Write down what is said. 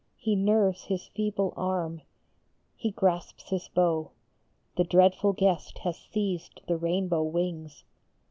he nerves his feeble arm, He grasps his bow ; The dreadful guest has seized the rainbow wings.